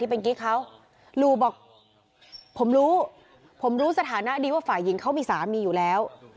ผมรู้ผมรู้สถานะดีว่าฝ่ายยิงเขามีสามีอยู่แล้ว